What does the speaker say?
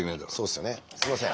すいません。